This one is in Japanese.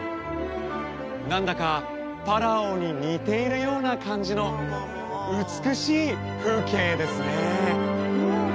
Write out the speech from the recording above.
何だかパラオに似ているような感じの美しい風景ですね